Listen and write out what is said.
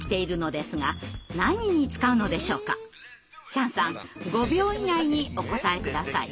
チャンさん５秒以内にお答え下さい。